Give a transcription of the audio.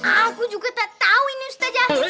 aku juga gak tau ini ustaz jahir